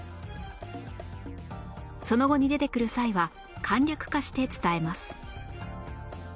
その後に出てくる際は簡略化して伝えます